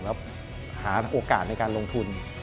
แล้วหาโอกาสในการลงทุน